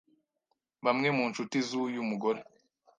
Bamwe mu nshuti z’uyu mugore